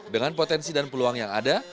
dengan potensi dan peluang yang ada